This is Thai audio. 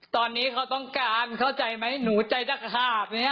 ตอนนี้เขาต้องการเข้าใจไหมหนูใจตะขาบเนี่ย